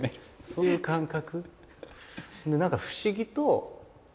そういう感覚。